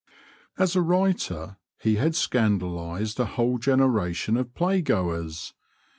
As a writer he had scandalised a whole generation of playgoers.